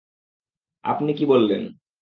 আপনি কী বললেন?